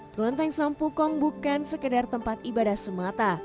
kelenteng sampukong bukan sekedar tempat ibadah semata